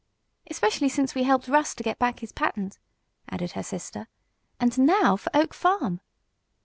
"Especially since we helped Russ to get back his patent," added her sister. "And now for Oak Farm!"